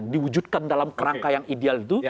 diwujudkan dalam kerangka yang ideal itu